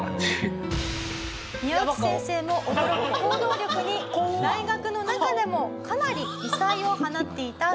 宮内先生も驚く行動力に大学の中でもかなり異彩を放っていたそうです。